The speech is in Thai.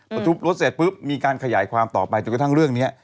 พอทุบรถเสร็จปุ๊บมีการขยายความต่อไปจนกระทั่งเรื่องนี้